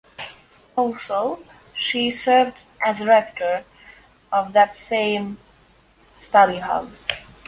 Also, she served as Rector of that same study house.